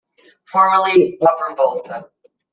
Formerly Upper Volta.